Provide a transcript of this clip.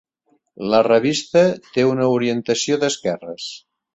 La revista té una orientació d'esquerres.